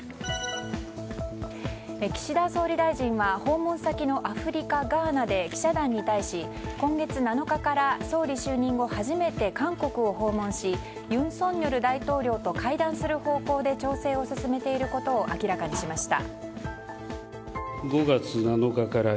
岸田総理大臣は訪問先のアフリカ・ガーナで記者団に対し、今月７日から総理就任後韓国を訪問し尹錫悦大統領と会談する方向で調整を進めていることを明らかにしました。